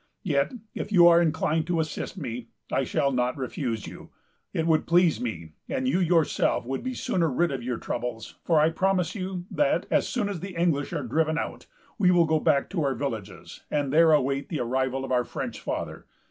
Yet, if you are inclined to assist me, I shall not refuse you. It would please me, and you yourselves would be sooner rid of your troubles; for I promise you, that, as soon as the English are driven out, we will go back to our villages, and there await the arrival of our French Father.